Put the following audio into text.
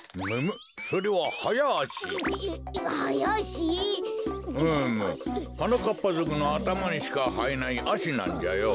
はなかっぱぞくのあたまにしかはえないアシなんじゃよ。